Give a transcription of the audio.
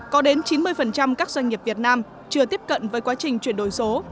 có đến chín mươi các doanh nghiệp việt nam chưa tiếp cận với quá trình chuyển đổi số